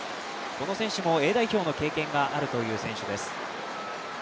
この選手もＡ代表の経験があるという選手です。